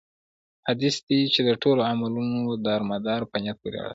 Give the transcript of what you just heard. حديث دی چې: د ټولو عملونو دار مدار په نيت پوري اړه لري